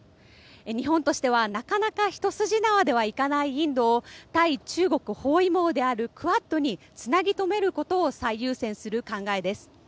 日本としてはなかなか一筋縄ではいかないインドを対中国包囲網であるクアッドにつなぎとめることを最優先する考えです。